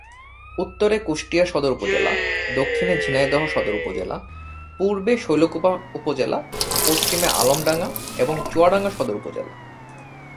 উত্তরে কুষ্টিয়া সদর উপজেলা, দক্ষিণে ঝিনাইদহ সদর উপজেলা, পূর্বে শৈলকুপা উপজেলা, পশ্চিমে আলমডাঙ্গা এবং চুয়াডাঙ্গা সদর উপজেলা।